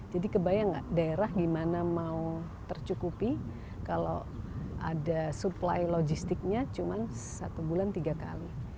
jadi kebayang nggak daerah gimana mau tercukupi kalau ada supply logistiknya cuma satu bulan tiga kali